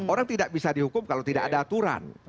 orang tidak bisa dihukum kalau tidak ada aturan